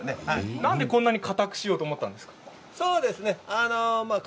なんでこんなにかたくしようと思ったんですか？